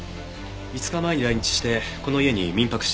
５日前に来日してこの家に民泊していました。